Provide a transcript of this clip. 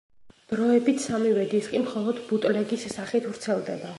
დროებით სამივე დისკი მხოლოდ ბუტლეგის სახით ვრცელდება.